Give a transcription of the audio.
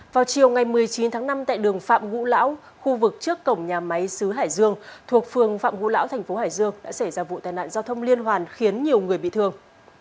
vào chiều ngày một mươi chín tháng năm tại đường phạm ngũ lão khu vực trước cổng nhà máy xứ hải dương thuộc phường phạm ngũ lão thành phố hải dương đã xảy ra vụ tai nạn giao thông liên hoàn khiến nhiều người bị thương